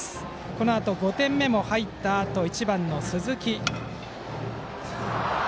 このあと５点目が入ったあと１番の鈴木。